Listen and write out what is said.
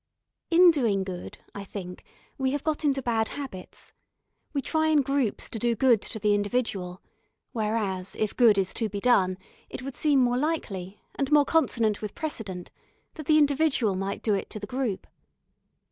In Doing Good, I think, we have got into bad habits. We try in groups to do good to the individual, whereas, if good is to be done, it would seem more likely, and more consonant with precedent, that the individual might do it to the group.